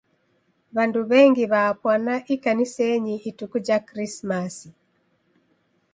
W'andu w'engi w'apwana ikanisenyi ituku ja Krismasi.